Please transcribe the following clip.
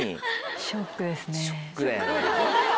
ショックだよね。